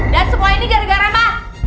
dan semua ini gara gara mas